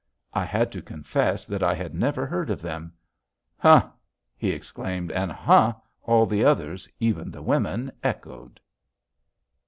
I had to confess that I had never heard of them. "Huh!" he exclaimed. And "Huh!" all the others, even the women, echoed.